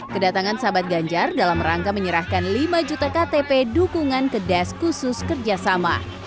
kedatangan sahabat ganjar dalam rangka menyerahkan lima juta ktp dukungan ke desk khusus kerjasama